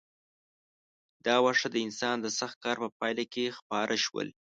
دا واښه د انسان د سخت کار په پایله کې خپاره شول.